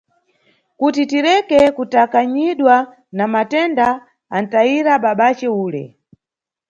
Kuti tireke kutakanyidwa na matenda, anʼtayira babace ule.